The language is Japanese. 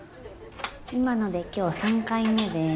今ので今日３回目です。